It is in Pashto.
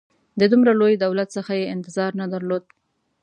د دومره لوی دولت څخه یې انتظار نه درلود.